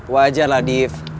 wajar lah div